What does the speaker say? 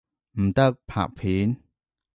唔得，拍片！